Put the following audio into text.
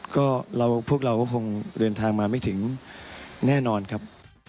ก็พวกเราก็คงเดินทางมาไม่ถึงแน่นอนครับ